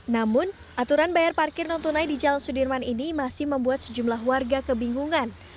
namun aturan bayar parkir non tunai di jalan sudirman ini masih membuat sejumlah warga kebingungan